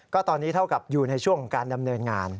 ก็ตอนนี้เท่ากับอยู่ในช่วงของการดำเนินงาน